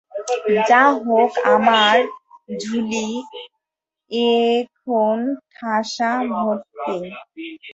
যা হোক আমার ঝুলি এখন ঠাসা ভর্তি।